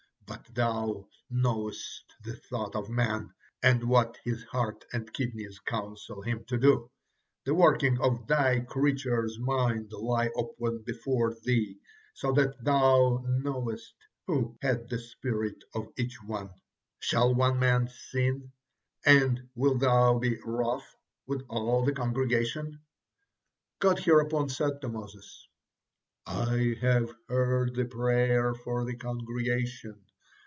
But Thou knowest the thought of man, and what his heart and kidneys counsel him to do, the workings of Thy creatures' minds lie open before Thee, so that Thou knowest who had the spirit of each one.' Shall one man sin, and wilt thou be wroth with all the congregation?'" God hereupon said to Moses "I have heard the prayer for the congregation.